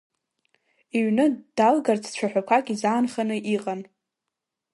Иҩны далгарц цәаҳәақәак изаанханы иҟан.